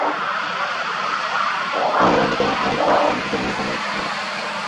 不能给孩子好一点的东西